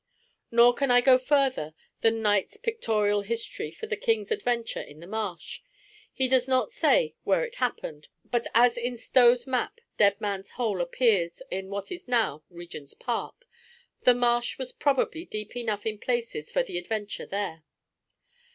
Nor can I go further than Knight's Pictorial History for the King's adventure in the marsh. He does not say where it happened, but as in Stowe's map "Dead Man's Hole" appears in what is now Regent's Park, the marsh was probably deep enough in places for the adventure there.